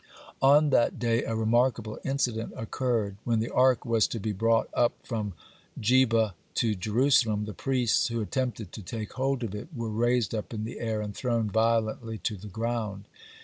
On that day a remarkable incident occurred. When the Ark was to be brought up from Geba to Jerusalem, the priests who attempted to take hold of it were raised up in the air and thrown violently to the ground.